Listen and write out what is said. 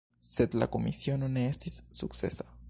Sed la komisiono ne estis sukcesa.